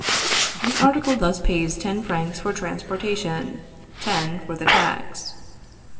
The article thus pays ten francs for transportation, ten for the tax.